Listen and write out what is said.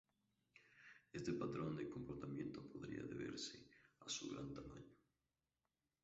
Este patrón de comportamiento podría deberse a su gran tamaño.